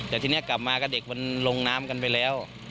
แต่ทีนี้กลับมาก็เด็กมันลงน้ำกันไปแล้ว